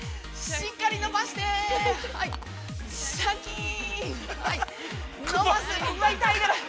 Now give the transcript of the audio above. しっかり伸ばして、シャキーン。